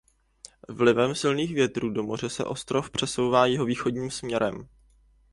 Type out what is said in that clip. Vlivem silných větrů od moře se ostrov přesouvá jihovýchodním směrem.